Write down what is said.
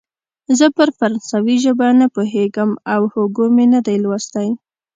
زه پر فرانسوي ژبه نه پوهېږم او هوګو مې نه دی لوستی.